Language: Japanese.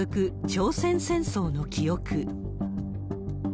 朝鮮戦争の記憶。